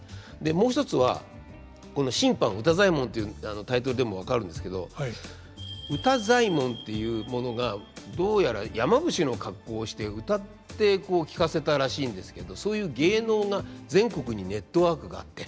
もう一つはこの「新版歌祭文」ていうタイトルでも分かるんですけど「歌祭文」というものがどうやら山伏の格好をして歌ってこう聞かせたらしいんですけどそういう芸能が全国にネットワークがあって。